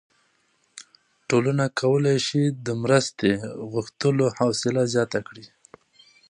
ټولنه کولی شي د مرستې غوښتلو حوصله زیاته کړي.